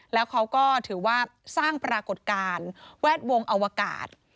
แล้วเขาก็ถือว่าสร้างปรากฏการณ์แวดวงอวกาศ